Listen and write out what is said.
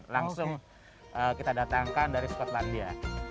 langsung kita datangkan dari skotlandia